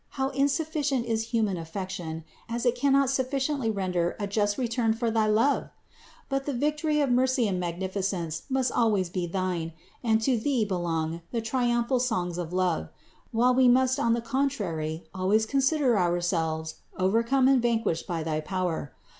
How insufficient is human affection, as it cannot suffi ciently render a just return for thy love! But the vic tory of mercy and magnificence must always be thine, and to Thee belong the triumphal songs of love; while we must on the contrary always consider ourselves over come and vanquished by thy power.